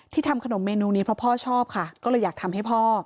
ทำขนมเมนูนี้เพราะพ่อชอบค่ะก็เลยอยากทำให้พ่อ